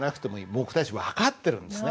僕たち分かってるんですね。